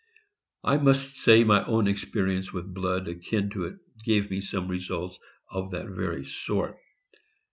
I must say my own experience with blood akin to it gave me some results of that very sort.